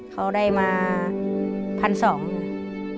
เขาได้มาพันสอง